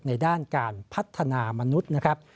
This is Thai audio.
ในด้านการพัฒนามนุษย์นะครับ